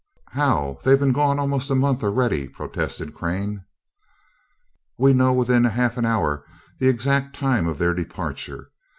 "How? They've been gone almost a month already," protested Crane. "We know within half an hour the exact time of their departure.